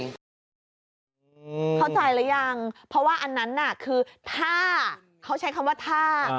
เข้าใจหรือยังเพราะว่าอันนั้นน่ะคือถ้าเขาใช้คำว่าท่า